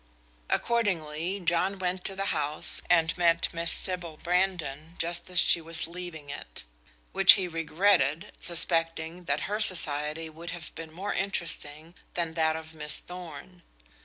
Accordingly, John went to the house, and met Miss Sybil Brandon just as she was leaving it; which he regretted, suspecting that her society would have been more interesting than that of Miss Thorn.